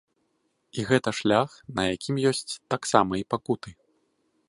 І гэта шлях, на якім ёсць таксама і пакуты.